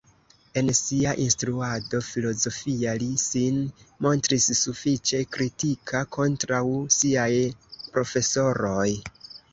En sia instruado filozofia li sin montris sufiĉe kritika kontraŭ siaj profesoroj.